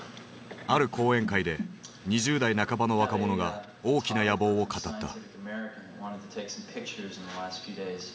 ある講演会で２０代半ばの若者が大きな野望を語った。